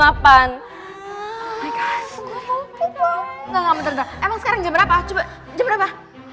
emang sekarang berapa coba berapa sembilan tiga puluh